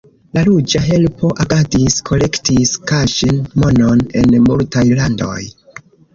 La Ruĝa Helpo agadis, kolektis kaŝe monon en multaj landoj.